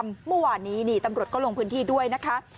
เมื่อวานนี้นี่ตำรวจก็ลงพื้นที่ด้วยนะคะ